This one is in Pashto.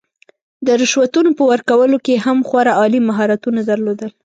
د رشوتونو په ورکولو کې یې هم خورا عالي مهارتونه درلودل.